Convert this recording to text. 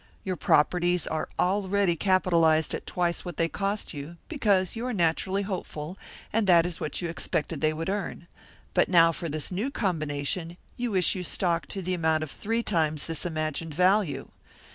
Your properties are already capitalised at twice what they cost you, because you are naturally hopeful, and that is what you expected they would earn; but now for this new combination you issue stock to the amount of three times this imagined value.